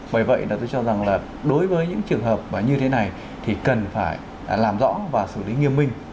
bởi vậy là tôi cho rằng là đối với những trường hợp như thế này thì cần phải làm rõ và xử lý nghiêm minh